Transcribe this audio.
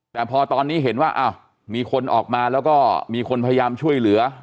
แต่พอตอนนี้เห็นว่ามีคนออกมาแล้วก็มีคนพยายามช่วยเหลือ